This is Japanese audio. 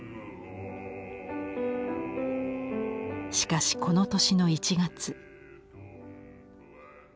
しかしこの年の１月。